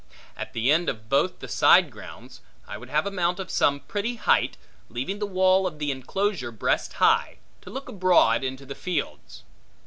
At the end of both the side grounds, I would have a mount of some pretty height, leaving the wall of the enclosure breast high, to look abroad into the fields.